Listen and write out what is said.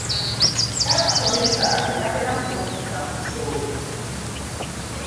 Naye abasomesa tebaatera kukozesa mukisa ogwo